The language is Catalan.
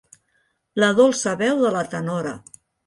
La dolça veu de la tenora.